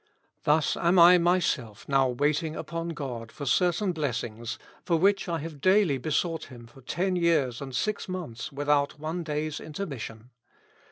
Thus am I myself now waiting upon God for certain blessings, for which I have daily besought Him for ten years and six months without one day's intermis sion.